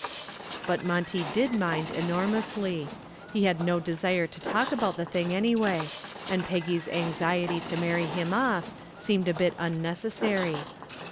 But Monty did mind enormously. He had no desire to talk about the thing anyway, and Peggy's anxiety to marry him off seemed a bit unnecessary.